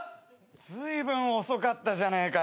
ずいぶん遅かったじゃねえか。